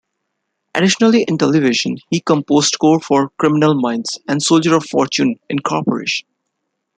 Additionally in television, he composed score for "Criminal Minds" and "Soldier Of Fortune, Inc".